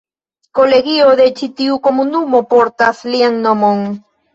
Kolegio de ĉi tiu komunumo portas lian nomon.